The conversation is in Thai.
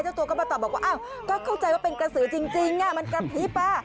ตัวก็มาตอบบอกว่าอ้าวก็เข้าใจว่าเป็นกระสือจริงมันกระพริบ